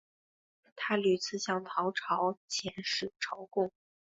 他屡次向唐朝遣使朝贡。